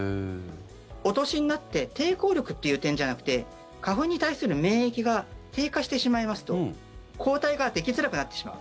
お年になって抵抗力っていう点じゃなくて花粉に対する免疫が低下してしまいますと抗体ができづらくなってしまう。